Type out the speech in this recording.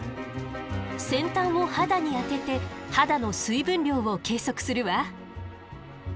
先端を肌に当てて肌の水分量を計測するわ。